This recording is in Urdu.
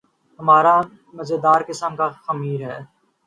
ہمارا مزیدار قسم کا خمیر ہے۔